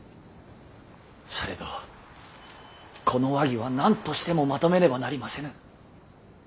されどこの和議は何としてもまとめねばなりませぬ。